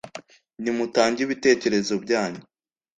nimutange ibitekerezo byanyu